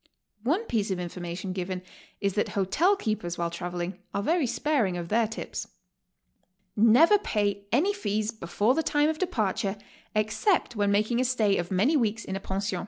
One piece of information given is that hotel keepers while traveling are very sparing of their tips. Never pay any fees before the time of departure except when making a stay of man y weeks in a pension.